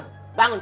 hei rimba bangun